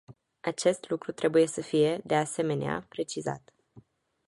Acest lucru trebuie să fie, de asemenea, precizat.